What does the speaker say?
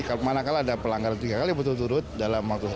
kalau mana mana ada pelanggaran tiga kali yang betul betul turut dalam maklumatnya